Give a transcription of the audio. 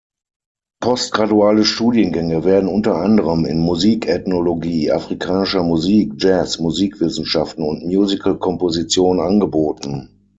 Postgraduale Studiengänge werden unter anderem in Musikethnologie, afrikanischer Musik, Jazz, Musikwissenschaften und Musical-Komposition angeboten.